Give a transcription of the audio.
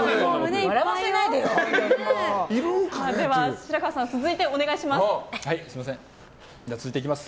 白川さん、続いてお願いします。